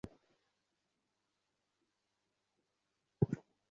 বর্ষায় গাদাগাদি করে একটি কক্ষের ভেতর কোনো রকমে চলে পাঠদান কার্যক্রম।